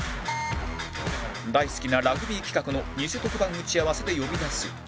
大好きなラグビー企画のニセ特番打ち合わせで呼び出す